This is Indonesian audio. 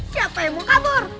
siapa yang mau kabur